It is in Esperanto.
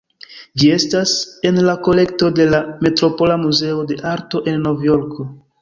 Ĝi estas en la kolekto de la Metropola Muzeo de Arto en Novjorko.